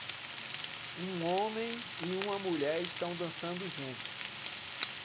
Um homem e uma mulher estão dançando juntos